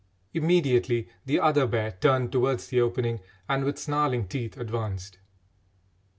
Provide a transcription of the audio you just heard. Immediately the other bear turned towards the opening and, with snarling teeth, advanced.